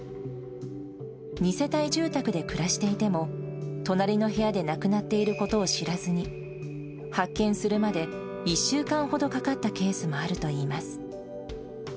二世帯住宅で暮らしていても、隣の部屋で亡くなっていることを知らずに、発見するまで１週間ほどかかったケースもあるといいま